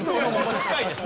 近いです。